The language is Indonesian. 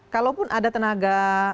kalaupun ada tenaga